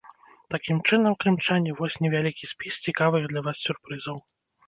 Такім чынам, крымчане, вось невялікі спіс цікавых для вас сюрпрызаў.